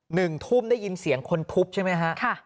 หนึ่งทุ่มได้ยินเสียงคนทุบใช่ไหมฮะค่ะ